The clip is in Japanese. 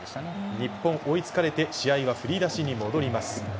日本追いつかれて試合は振り出しに戻ります。